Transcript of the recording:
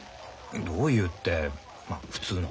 どういうってまあ普通の。